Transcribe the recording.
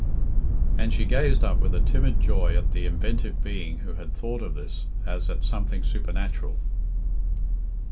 And she gazed up with a timid joy at the inventive being who had thought of this as at something supernatural.